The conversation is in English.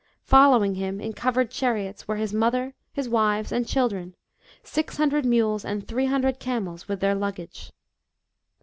Following him, in covered chariots, were his mother, his wives and children, six hundred mules and three hundred camels with their luggage.